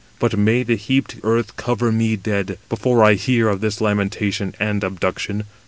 But may the heaped earth cover me dead, before I hear of this lamentation and abduction."